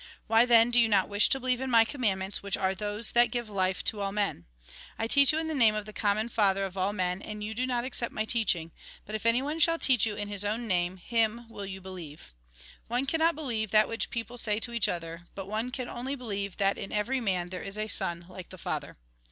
Why, then, do you not wish to believe in my commandments, which are those that give life to all men ? I teach you in the name of the commoa Father of all men, and yoa do not accept my teaching ; but if anyone shall teach yoti in his own name, him will you believe. " One cannot believe that which people say to each other, but one can only believe that in every man there is a Son like the Father."